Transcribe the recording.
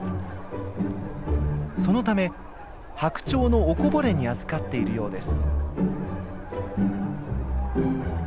そのためハクチョウのおこぼれにあずかっているようです。